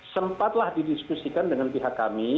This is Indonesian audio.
sempatlah didiskusikan dengan pihak kami